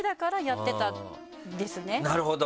なるほど！